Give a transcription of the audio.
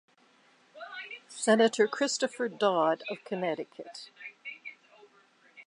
Senator Christopher Dodd of Connecticut.